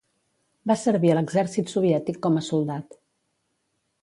Va servir a l'exèrcit soviètic com a soldat.